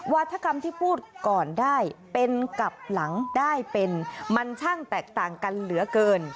ธกรรมที่พูดก่อนได้เป็นกับหลังได้เป็นมันช่างแตกต่างกันเหลือเกิน